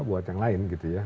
buat yang lain gitu ya